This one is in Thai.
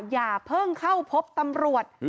อย่าเพิ่งเข้าพบตำรวจ